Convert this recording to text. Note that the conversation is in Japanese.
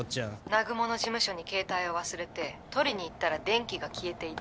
「南雲の事務所に携帯を忘れて取りに行ったら電気が消えていた」